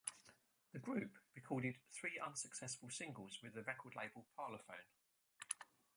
The group recorded three unsuccessful singles with the record label Parlophone.